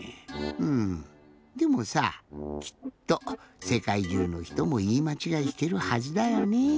でもさきっとせかいじゅうのひともいいまちがいしてるはずだよね。